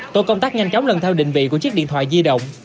tổ công tác nhanh chóng lần theo định vị của chiếc điện thoại di động